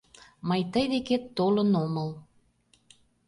Мый тый декет толын омыл...